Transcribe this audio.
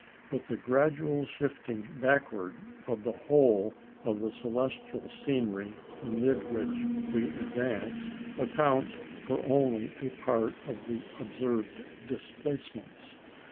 But the gradual shifting backward of the whole of the celestial scenery amid which we advance accounts for only a part of the observed displacements.